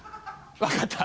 分かった。